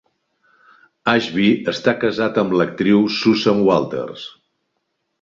Ashby està casat amb l'actriu Susan Walters.